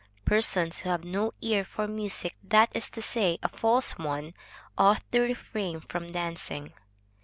Persons who have no ear for music, that is to say, a false one, ought to refrain from dancing.